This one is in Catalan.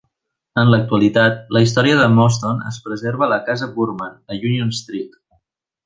En l'actualitat, la història de Mauston es preserva a la casa Boorman, a Union Street.